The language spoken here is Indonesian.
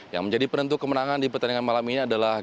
yang menjadi penentu kemenangan di pertandingan malam ini adalah